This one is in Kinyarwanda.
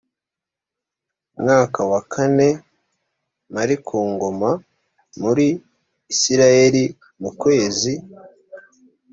mwaka wa kane m ari ku ngoma muri isirayeli mu kwezi